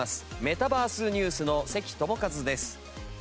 メタバースＮＥＷＳの関智一です。